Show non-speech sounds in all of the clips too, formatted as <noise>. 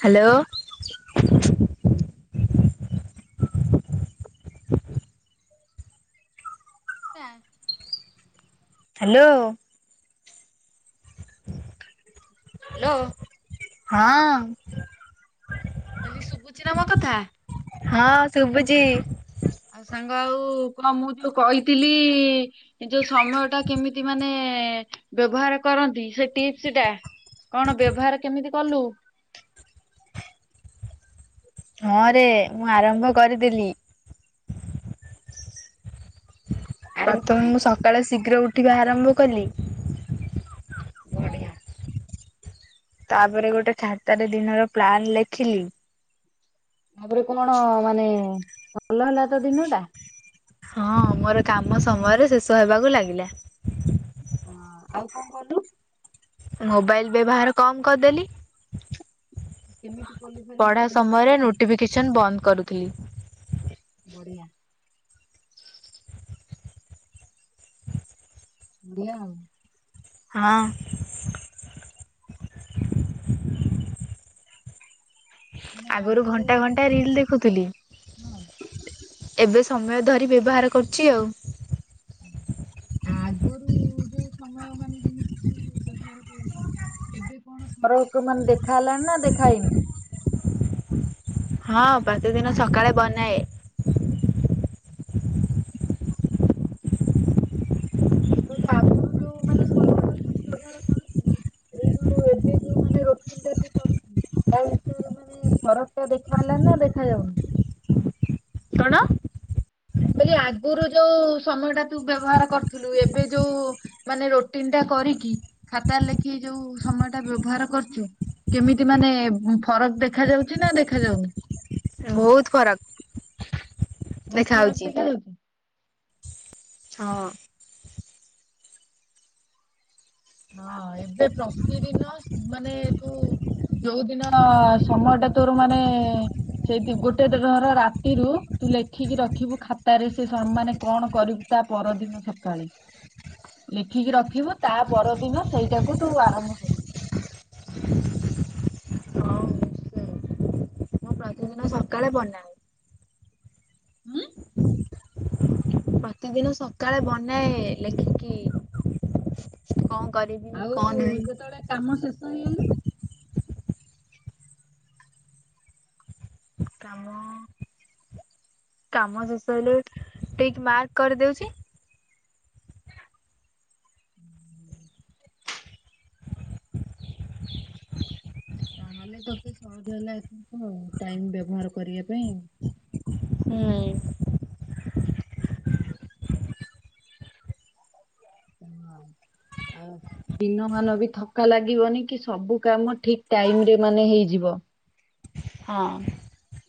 Hello. ହ <unintelligible> hello. Hello. ହଁ ଭ <unintelligible> ଶୁଭୁଛିି ନା ମୋ କଥା । ଯେ <inaudible> ଆଉ ସାଙ୍ଗ ଆଉ କଣ ମୁଁ ତ କହିଥିଲି ଏ ଯୋଉ ସମୟ ଟା କେମିତି ମାନେ ବ୍ୟବହାର କରନ୍ତି ସେ ଟିପ୍ସ ଟା କଣ ବ୍ୟବହାର କେମିତି କଲୁ? <inaudible> ହଁରେ ମୁଁ ଆରମ୍ଭ କରିଦେଲିି । ଆରମ୍ଭ ପ୍ରଥମେ ମୁଁ କରିଛୁ ସକାଳେ ଶୀଘ୍ର ଉଠିବା ଆରମ୍ଭ କଲି। ବଢ଼ିଆ। ତାପରେ ଗୋଟେ ଖାତାରେ ଦିନର ପ୍ଲାନ ଲେଖିଲି। ତାପରେ କଣ ମାନେ ଭଲ ହେଲା ତ ଦିନ ଟା? ହଁ ମୋର କାମ ସମୟରେ ଶେଷ ହେବାକୁ ଲାଗିଲା। ହଁ ଆଉ କଣ କଲୁ? ମୋବାଇଲ ବ୍ୟବହାର କମ କରିଦେଲି। କେମିତି? କଲୁ ଫେରେ ପଢ଼ା ମୋବାଇଲ ବ୍ୟବହାର ସମୟରେ କଣ ନୋଟିଫିକେସନ ବନ୍ଦ କରୁଥିଲି। ବଢ଼ିଆ। ଦିଆ। ହଁ। ମାନେ ଆଗରୁ ଘଣ୍ଟା ଘଣ୍ଟା ଯେମିତି ରିଲ ଦେଖୁଥିଲି। ହଁ ଏବେ ସମୟ ଧରି ବ୍ୟବହାର କରୁଛି ଆଉ। ଆଗରୁ ଯୋଉଁ ସମୟ ମାନେ ଯେମିତି ବ୍ୟବହାର କରୁଥିଲୁ ଏବେ କଣ ଫର <unintelligible> ମାନେ ଦେଖାହେଲେଣି ନାଁ ଦେଖାହେଇନି? ହଁ ପ୍ରତିଦିନ ସକାଳେ ବନାଏ। ମୁଁ କହିଲି ଆଗରୁ ଯୋଉଁ ମାନେ ସମୟ ଟା ତୁ ବ୍ୟବହାର କରୁଥିଲୁ ଏଇ ଯୋଉଁ ଏବେ ଯୋଉଁ ମାନେ <unintelligible> ମାନେ ଫରକ ଟା ଦେଖା ହେଲାଣି ନା ଦେଖାଯାଉନି? କଣ ମୁଁ କହିଲି ଆଗରୁ ଯୋଉଁ ସମୟ ଟା ତୁ ବ୍ୟବହାର କରିୁଥିଲୁ ଏବେ ଯୋଉଁ ମାନେ ରୋଟିନ ଟା କରିକି ଖାତାରେ ଲେଖିକି ଯୋଉଁ ସମୟ ଟା ବ୍ୟବହାର କରୁଛୁ। କେମିତି ମାନେ ଫରକ ଦେଖାଯାଉଛି ନା ଦେଖାଯାଉନି? ବହୁତ ଫରକ। ବହୁତ ଫରକ ଦେଖାହଉଚ ଦେଖା ଯାଉଛି? ହଁ। ହଁ ଏବେ ପ୍ରତିଦିନ ମାନେ ତୁ ଯୋଉଁଦିନ ସମ ତୋର ମାନେ ସେଇ ଗୋଟେ ଧର ରାତିରୁ ତୁ ଲେଖିକି ରଖିବୁ ଖାତାରେ ସେ ମାନେ କଣ କରିବୁ ତା ପରଦିନ ସକାଳେ ଲେଖିକି ରଖିବୁ ତା ପରଦିନ ସେଇଟାକୁ ତୁ ଆରମ୍ଭ କରିବୁ। ପ୍ରତି ଦିନ ସକାଳେ ବନାଏ। ହୁଁ? ପ୍ରତିଦିନ ସକାଳେ ବନାଏ ଲେଖିକି। କଣ? କରିବି ଆଉ କଣ ନାହିଁ ଯେତେବେଳେ କାମ ଶେଷ ହେଇଗଲା। କାମ କାମ ଶେଷ ହେଲେ ଠିକ ମାର୍କ କରିଦଉଚି। ହୁଁ। ତାହେଲେ ତତେ ସହଜ ହେଲା ଏଥରକ ଟାଇମ ବ୍ୟବହାର କରିବା ପାଇଁ। ହୁଁ ହଁ। ଦିନମାନ ବି ଥକା ଲାଗିବନି କି ସବୁ କାମ ଠିକ ଟାଇମ ରେ ମାନେ ହେଇଯିବ । ହଁ।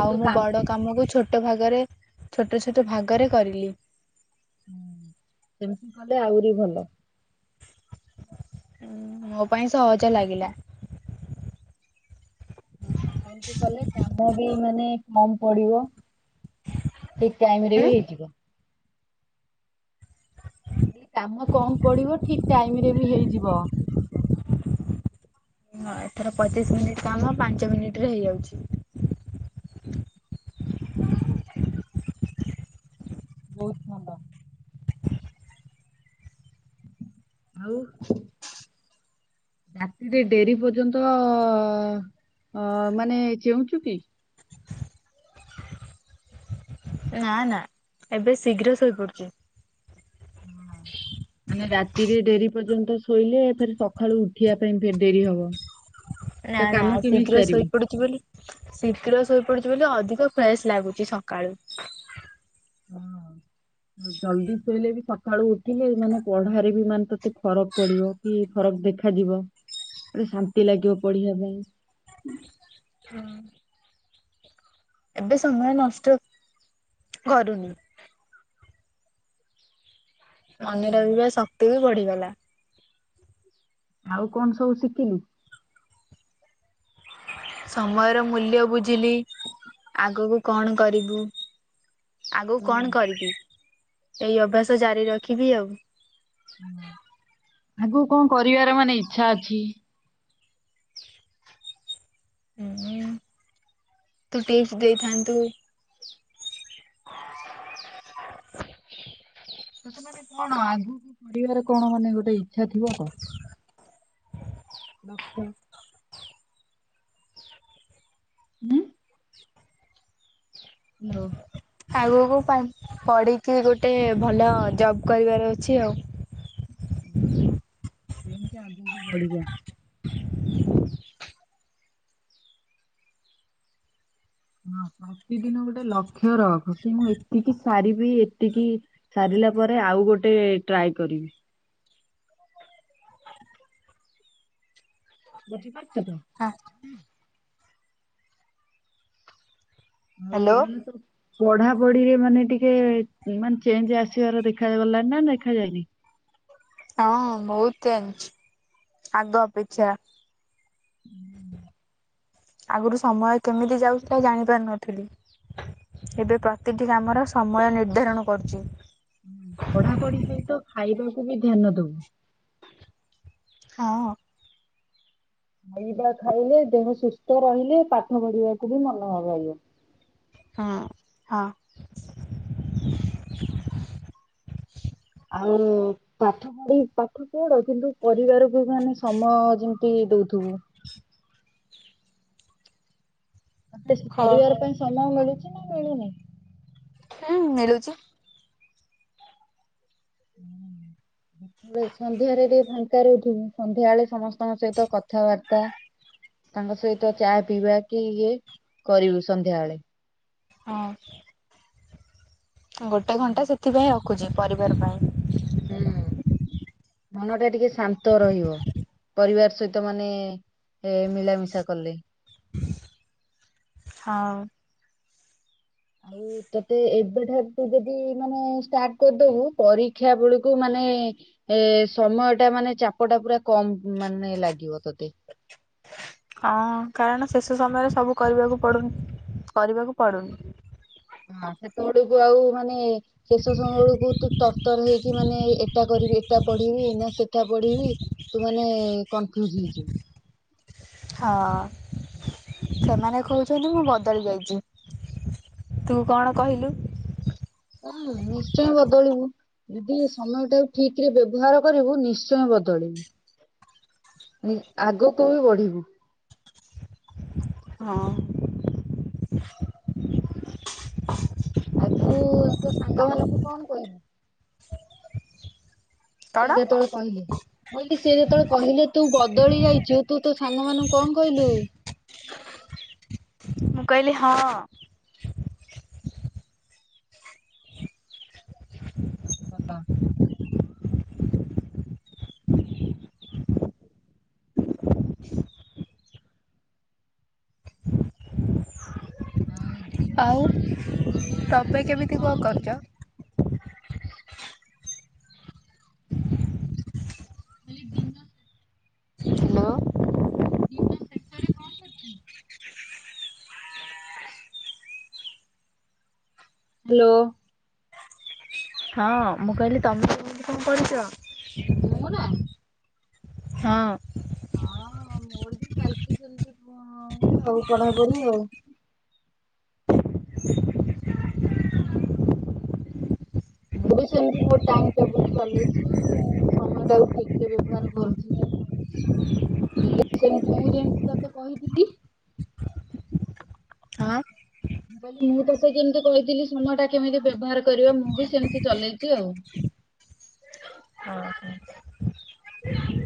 ଆଉ ମୁଁ ବଡ଼ କାମ କୁ ଛୋଟ ଭାଗରେ ଛୋଟ ଛୋଟ ଭାଗରେ କରିଲି । ହଁ ସେମିତି କଲେ ଆହୁରି ଭଲ । ମୋ ପାଇଁ ସହଜ ଲାଗିଲା । ଓ ସେମିତି କଲେ କାମ ବି ମାନେ କମ ପଡିବ। ଠିକ୍ ଟାଇମିରେ ଉଁ ବି ହେଇଯିବ। କହିଲି କାମ କମ ପଡ଼ିବ ଠିକ ଟାଇମ ରେ ବି ହେଇଯିବ। ଏଥର ପଚିଶ ମିନିଟ କାମ ପାଞ୍ଚ ମିନିଟ ରେ ହେଇଯାଉଛି । <inaudible> ବହୁତ ଭଲ। ଆଉ ରାତିରେ ଡେରି ପର୍ଯ୍ୟନ୍ତ ଅ ମାନେ ଚେଉଁଚୁ କି? ନା ନା ଏବେ ଶୀଘ୍ର ଶୋଇପଡୁଛି । ହଁ ମାନେ ରାତିରେ ଡେରି ପର୍ଯ୍ୟନ୍ତ ଶୋଇଲେ ସେଠି ସକାଳୁ ଉଠିବା ପାଇଁ ଫେର୍ ଡେରି ହବ । ନା ନା ଶୀଘ୍ର ଶୋଇପଡୁଛି ବୋଲି ଶୀଘ୍ର ଶୋଇପଡୁଛି ଅଧିକ ଫ୍ରେସ୍ ଲାଗୁଛି ସକାଳୁ । ହଁ, ଜଲଦି ଶୋଇଲେ ବି ସକାଳୁ ଉଠିଲେ ମାନେ ପଢାରେ ବି ମାନେ ତତେ ଫରକ ପଡିବ କି ଦେଖାଯିବ ଶାନ୍ତି ଲାଗିବ ପଢିବା ପାଇଁ । ଏବେ ସମୟ ନଷ୍ଟ କରୁନି । ମନେ ଭଲ ରହିବା ଶକ୍ତିବି ବଢିଗଲା । ଆଉ କଣ ସବୁ ଶିଖିଲୁ? ସମୟର ମୂଲ୍ୟ ବୁଝିଲି । ଆଗକୁ କଣ କରିବୁ? ଆଗକୁ ହୁଁ। କଣ କରିବି? ଏଇ ଅଭ୍ୟାସ ଜାରି ରଖିବି ଆଉ । ହଁ। ଆଗକୁ କଣ କରିବାରମାନେ ଇଚ୍ଛା ଅଛି? ହୁଁ ତୁ ଟିପ ଦେଇଥାନ୍ତୁ । <inaudible> ସେଟ ମାନେ କଣ ଆଗକୁ ପଢିବାରେ କଣ ମାନେ ଗୋଟେ ଇଛା ଥିବ ତ? ଲଗଡାଉନ୍। ଉଁ। ହାଲୋ। ଆଗକୁ ପା ପଢିକି ଗୋଟେ ଭଲ ଜବ କରିବାର ଅଛି ଆଉ । ବଢିଆ ଏମିତି ଆଗ ବଢ଼ି ଯା। ହଁ ପ୍ରତିଦିନ ଗୋଟେ ଲକ୍ଷ୍ୟ ରଖ କି ମୁଁ ଏତିକି ସାରିବି ଏତିକି ସାରି ଦେଲା ପରେ ଆଉ ଗୋଟେ ଟ୍ରାଏ କରିବି । ବଝିପାରୁଛ ତ? ହଉ ହାଲୋ ମାନେ ତ ପଢା ପଢିରେ ମାନେ ଟିକେ ମାନେ ଚେଞ୍ଜ ଆସିବାର ଦେଖାଗଲାଣି ନା ଦେଖାାଯାଇଏନି? ହଁ ବହୁତ ଅଛି ଆଗ ଅପେକ୍ଷା । ଆଗରୁ ସମୟ କେମିତି ଯାଉଥିଲା ଜାଣି ପାରୁ ନଥିଲି । ଏବେ ପ୍ରତିଟି କାମର ସମୟ ନିର୍ଦ୍ଧାରଣ କରୁଛି । ପଢାପଢି ସହିତ ଖାଇବାକୁ ବି ଧ୍ୟାନ ଦବୁ? ହଁ। ଖାଇବା ଖାଇଲେ ଦେହ ସୁସ୍ଥ ରହିଲେ ପାଠ ପଢିବାକୁ ବି ମନ ହବ। ହୁଁ ହଁ <inaudible> ଆଉ ପାଠ ପଢି ପାଠ ପଢ କିନ୍ତୁ ପରିବାରକୁ ମାନେ ସମୟ ଯେମତି ଦଉଥିବା। ହୁଁ। <inaudible> ତତେ ହଉ ପରିବାର ପାଇଁ ସମୟ ମିଳୁଛି ନା ମିଳୁନି? ହୁଁ ମିଳୁଛି। <inaudible> ସନ୍ଧ୍ୟାରେ ବି ଫାଙ୍କା ରଉଥିବୁ! ସନ୍ଧ୍ୟାବେଳେ ସମସ୍ତଙ୍କ ସହିତ କଥାବାର୍ତ୍ତା ତାଙ୍କ ସହିତ ଚା ପିଇବା କି ଇଏ କରିବୁ ସନ୍ଧ୍ୟାବେଳେ। ହଁ। ଗୋଟେ ଘଣ୍ଟା ସେଥିପାଇଁ ରଖୁଛି, ପରିବାର ପାଇଁ। ହୁଁ ମନ ଟା ଟିକେ ଶାନ୍ତ ରହିବ ପରିବାର ସହିତ ମାନେ ଏ ମିଳାମିଶା କଲେ। ହଁ। ଆଉ ତତେ ଏବେଠାରୁ ତୁ ଯଦି ମାନେ ଷ୍ଟାର୍ଟ କରିଦବୁ ପରୀକ୍ଷା ବେଳକୁ ମାନେ ମାନେ ଏ ସମୟ ଟା ମାନେ ଚାପ ଟା ପୁରା କମ ମାନେ ଲାଗିବ ତୋତେ। ହଁ କାରଣ ଶେଷ ସମୟରେ ସବୁ କରିବାକୁ ପଡ଼ୁ କରିବାକୁ ପଡ଼ୁନି। ହଁ ସେତେବେଳ କୁ ଆଉ ମାନେ ଶେଷ ସମୟ ବେଳକୁ ତୁ ତରତର ହେଇକି, ମାନେ ଏଟା କରିବି ସେଟା ପଢିବି ନା ସେଠା ପଢିବି ତୁ ମାନେ କନଫ୍ୟୁଜ ହେଇଯିବୁ। ହଁ ସେମାନେ କହୁଛନ୍ତି ମୁଁ ବଦଳି ଯାଇଛି। ତୁ କଣ କହିଲୁ? ହୁଁ ନିଶ୍ଚୟ ବଦଳିବୁ। ଯଦି ସମୟ ଟାକୁ ଠିକ ରେ ବ୍ୟବହାର କରିବୁ ନିଶ୍ଚୟ ବଦଳିବୁ। ଉ ଆଗକୁ ବି ବଢିବୁ। ହଁ। ଆ ତୁ ତ ସାଙ୍ଗମାନଙ୍କୁ ମୁ କଣ କହିବୁ। ସେ କଣ? ଯେତେବେଳେ କହିଲେ ମୁଁ କହିଲି ସେ ଯେତେବେଳେ କହିଲେ ତୁ ବଦଳି ଯାଇଛୁ ତୁ ସାଙ୍ଗ ମାନଙ୍କୁ କଣ କହିଲୁ? ମୁଁ କହିଲି ହଁ। ଧ <inaudible> <inaudible> ଏଁ ଦିନ ଆଉ ମାନେ ଦିନ ତମେ ଶେଷରେ କେମିତି କଣ କରୁ। କରୁଛ? ମାନେ ଦିନ <unintelligible> ହ୍ୟାଲୋ। ଦିନ ଶେଷରେ କଣ କରୁଚୁ? ହ୍ୟାଲୋ। ହଁ ମୁଁ କହିଲି ତମେ <unintelligible> କଣ କରୁଛ। ମୁଁ ।ନା। ହଁ। ହଁ ମୋର ବି ଚାଲିଛି ସେମିତି ହଇ ଆଉ ପଢାପଢି ଆଉ। ମୁଁ ବି ସେମିତି ମୋ ଟାଇମ ଟେବୁଲ ଚଲେଇଛି, ସମୟ ଟାକୁ ଠିକ ରେ ବ୍ୟବହାର କରୁଛି। <inaudible> <unintelligible> ମୁଁ ଯେମିତି ତତେ କହିଥିଲି। ହଁ। ମୁଁ କହିଲ ମୁଁ ତୋତେ କେମିତି କହିଥିଲି, ସମୟ ଟା କେମିତି ବ୍ୟବହାର କରିବା ମୁଁ ବି ସେମିତି ଚଲେଇଛି ଆଉ। ହଁ।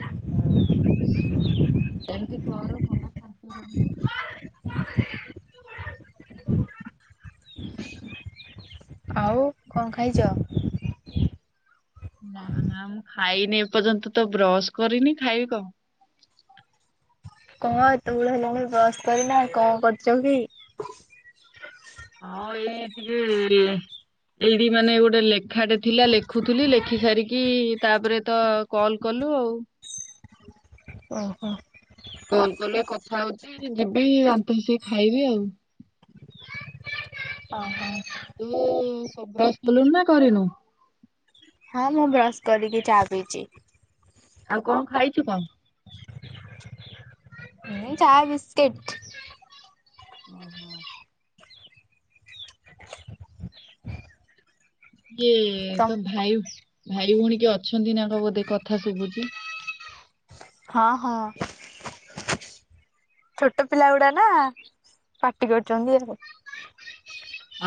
<inaudible> ଏମତି କର <unintelligible> <unintelligible> କନ ଖାଇଚ? ନା ନା ମୁଁ ଖାଇନି ଏପର୍ଯ୍ୟନ୍ତ, ତ ବ୍ରଶ କରିନି ଖାଇବି କଣ। <inaudible> କଣ ଅତବେଳ ହେଲାଣି ବସ୍ କରିନା କଣ କରୁଛ କି? ହଁ ଏଇ ଟିକେ ଏଇଠି ମାନେ ଗୋଟେ ଲେଖାଟେ ଥିଲା ଲେଖୁଥିଲି ଲେଖି ସାରିକି ତାପରେ ତ କଲ୍ କଲି। ହ୍ୟାଲୋ। ଓହୋ। କଲ୍ କଲେ କଥା ହଉଚି ଯିବି ଆଫେଇସି ଖାଇବି ଆଉ। ଓହୋ ତୁ ବ୍ରସ୍ କଲୁନା ନା କରିନୁ? ହଁ ମୁଁ ବ୍ରଶ କରିକି ଚା ପିଇଛି । ଆଉ କଣ ଖାଇଛୁ କଣ? ଚା ବିସ୍କିଟ୍। ଓ ହୋ। ଇଏ ତମ୍ ତ ଭାଇ ଭାଇ ଭଉଣୀ କିଏ ଅଛନ୍ତି ନା କଣ ବୋଧେ କଥା ଶୁଭୁଛି । ହଁ ହଁ। ଛୋଟ ପିଲା ଗୁଡ଼ା ନା ପାଟି କରୁଛନ୍ତି ।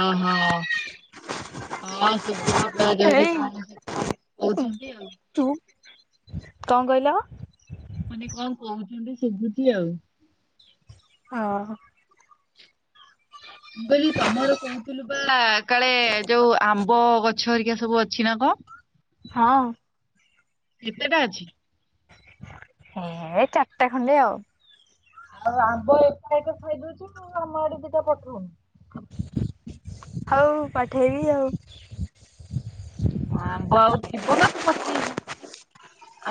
ଓହୋ ହ ଶୁବୁ ହେଇ <unintelligible> କହୁଛନ୍ତି ଆଉ ଚୁପ୍। କଣ କହିଲ? ମାନେ କଣ କହୁଛନ୍ତି ଶୁଭୁଛି ଆଉ। ହଁ ହଁ। ମୁଁ କହିଲି ତମର କହୁଥିଲୁ ବା କାଳେ ଯୋଉ ଆମ୍ବ ଗଛ ହରିକା ସବୁ ଅଛି ନା କଣ । ହଁ। ହଁ। କେତେଟା ଅଛି? ଏଇ ଚାରିଟା ଖଣ୍ଡ ଆଉ। ଆଉ ଆମ୍ବ ଏକା ଏକା ଖାଇଦଉଛୁ ଆମ ଆଡ଼େ ଦିଟା ପଠଉନୁ । ହଉ ପଠେଇବି ଆଉ। ଆମ୍ବ ଆଉ ଥିବନା ତୁ ପଠେଇବୁ।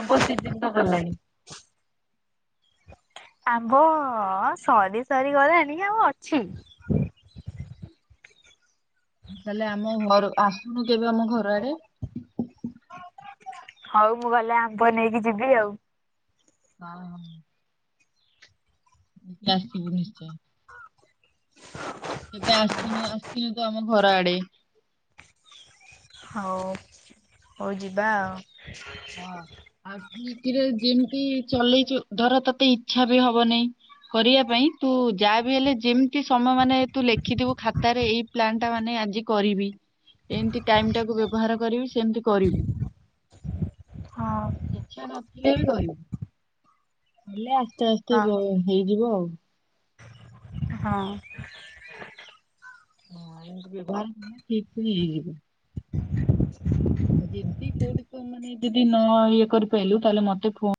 ଆମ୍ବ ସିଜିନ୍ ଟା ଗଲାଣି । <unintelligible> ଆମ୍ବ ସରି ସରି ଗଲାଣି ଆଉ ଅଛି । ତାହେଲେ ଆମ ଘର ଆସୁନୁ କେବେ ଆମ ଘର ଆଡ଼େ। ହଉ ମୁଁ ଗଲେ ଆମ୍ବ ନେଇକି ଯିବି ଆଉ। ହଁ। ଆସିବୁ ନିଶ୍ଚୟ। କେବେ ଆସିନୁ ଆସିନୁ ତ ଆମ ଘର ଆଡ଼େ। ହଉ ହଉ ଯିବା ଆଉ। ହଁ ଆ <unintelligible> ଯେମିତି ଚଲେଇଛି ଧର ତତେ ଇଚ୍ଛା ବି ହବନି । କରିବା ପାଇଁ ତୁ ଯାହା ବି ହେଲେ ଯେମିତି ସମୟ ମାନେ ତୁ ଲେଖିଥିବୁ ଖାତାରେ ଏଇ ପ୍ଲାନ୍ ଟା ମାନେ ଆଜି କରିବି ଏମତି ଟାଇମ୍ ଟାକୁ ବ୍ୟବହାର କରିବି ସେମତି କରିବି । ହ <inaudible> ଇଚ୍ଛା ନଥିଲେ ବି କରିବି ହେଲା । ଆସ୍ତେ ଆସ୍ତେ ହଁ ହେଇଯିବ ଆଉ। ହଁ। ହଁ ବ୍ୟବହାର ଠିକ୍ ଥିଲେ ହେଇ ଯିବ । ଯଦି କୋଉଠି ମାନେ ଯଦି ନ ଇଏ କରି ପାଇଲୁ ତାହେଲେ ମତେ ଫୋ